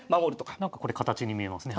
なんかこれ形に見えますね。